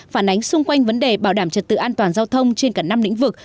phản ánh xung quanh vấn đề bảo đảm trật tự an toàn giao thông trên cả năm lĩnh vực